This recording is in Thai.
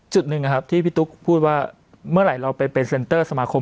จุดหนึ่งนะครับที่พี่ตุ๊กพูดว่าเมื่อไหร่เราไปเป็นเซ็นเตอร์สมาคม